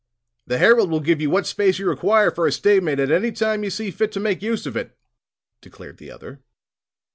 "The Herald will give you what space you require for a statement at any time you see fit to make use of it," declared the other.